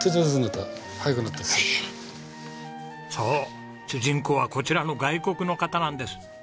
そう主人公はこちらの外国の方なんです。